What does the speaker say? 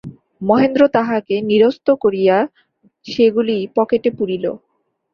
মহেন্দ্র তাহাকে নিরস্ত করিয়া সেগুলি পকেটে পুরিল।